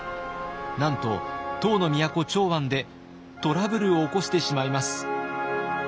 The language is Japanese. なんと唐の都長安でトラブルを起こしてしまいます。